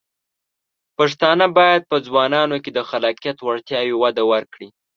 پښتانه بايد په ځوانانو کې د خلاقیت وړتیاوې وده ورکړي.